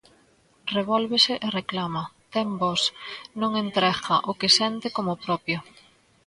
Revólvese e reclama, ten voz, non entrega o que sente como propio.